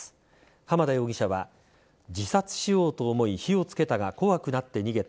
浜田容疑者は自殺しようと思い火をつけたが怖くなって逃げた。